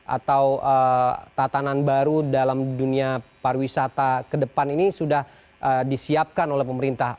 atau tatanan baru dalam dunia pariwisata ke depan ini sudah disiapkan oleh pemerintah